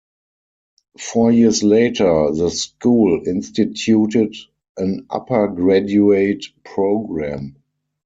Four years later, the school instituted an upper-graduate program.